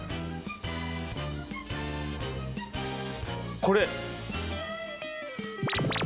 これ。